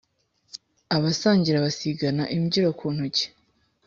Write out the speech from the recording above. Abasangira basigana imbyiro ku ntoki